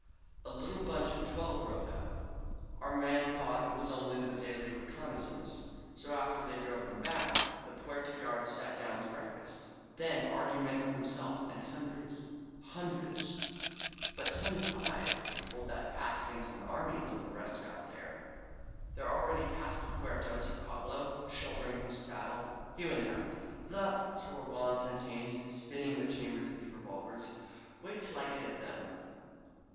"A little bunch' of twelve rode up. Our men thought it was only the daily reconnaissance. So after they 80 THE COMING OF THE COLORADOS drove them back, the Puerta guard sat down to break fast. Then Argumedo himself and hundreds — ^him dreds '' ^^But twenty five could hold that pass against an army until the rest got there, ..•'' "They're already past the Puerta,'' said Pablo, shouldering his saddle. He went out. "The !" swore Juan SantiUanes, spinning the chambers of his revolver. "Wait till I get at them